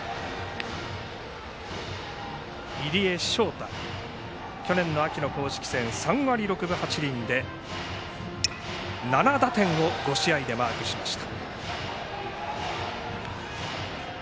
入江祥太は去年秋の公式戦３割６分８厘で７打点を５試合でマークしました。